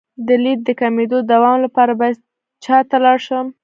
د لید د کمیدو د دوام لپاره باید چا ته لاړ شم؟